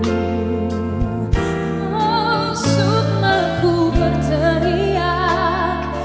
oh semua ku berteriak